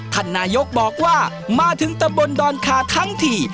ท่านนายกบอกว่ามาถึงตะบนดอนคาทั้งที